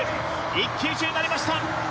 一騎打ちになりました。